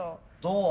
どう？